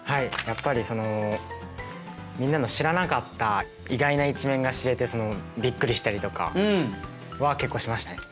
やっぱりそのみんなの知らなかった意外な一面が知れてびっくりしたりとかは結構しましたね。